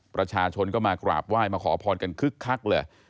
ประชาชนก็มากราบไหว้มาขอพรกันคึกคักเลย